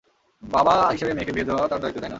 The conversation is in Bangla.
বাবা হিসেবে মেয়েকে বিয়ে দেওয়া তার দায়িত্ব, তাই-না?